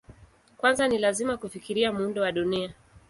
Kwanza ni lazima kufikiria muundo wa Dunia.